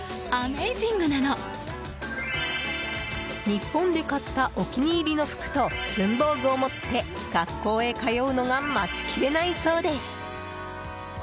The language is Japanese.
日本で買ったお気に入りの服と文房具を持って学校へ通うのが待ちきれないそうです。